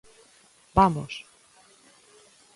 Vamos!